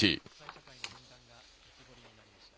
国際社会の分断が浮き彫りになりました。